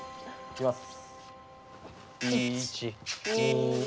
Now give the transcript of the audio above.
いきます。